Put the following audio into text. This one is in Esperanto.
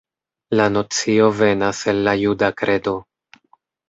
La nocio venas el la juda kredo.